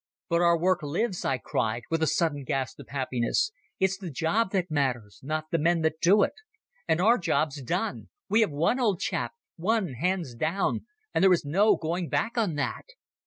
"But our work lives," I cried, with a sudden great gasp of happiness. "It's the job that matters, not the men that do it. And our job's done. We have won, old chap—won hands down—and there is no going back on that.